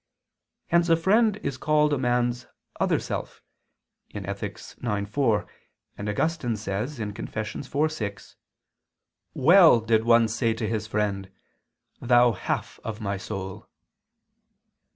Hence a friend is called a man's "other self" (Ethic. ix, 4), and Augustine says (Confess. iv, 6), "Well did one say to his friend: Thou half of my soul."